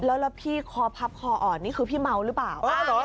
แล้วพี่คอพับคออ่อนนี่คือพี่เมาหรือเปล่า